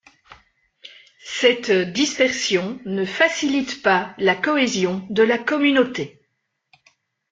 Cette dispersion ne facilite pas la cohésion de la communauté.